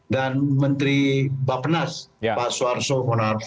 dan menteri bapenas pak soeharto monarfa